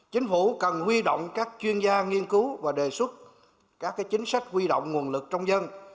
chính phủ cần huy động các chuyên gia nghiên cứu và đề xuất các chính sách huy động nguồn lực trong dân